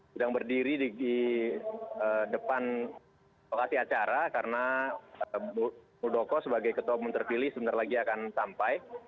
sedang berdiri di depan lokasi acara karena muldoko sebagai ketua umum terpilih sebentar lagi akan sampai